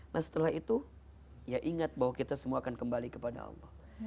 nah setelah itu ya ingat bahwa kita semua akan kembali kepada allah